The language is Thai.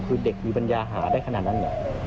คือเด็กวิบัญญาหาได้ขนาดนั้น